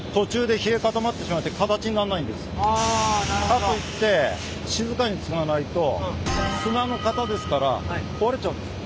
かといって静かにつがないと砂の型ですから壊れちゃうんです。